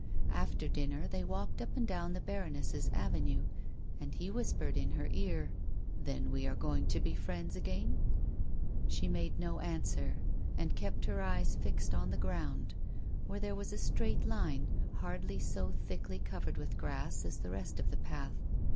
After dinner they walked up and down the baroness's avenue, and he whispered in her ear, " Then we are going to be friends again 1 " She made no answer, and kept her eyes fixed on the ground, where there was a straight line, hardly so thickly covered with grass as the rest of the path.